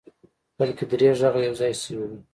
بلکې درې غږه يو ځای شوي وو.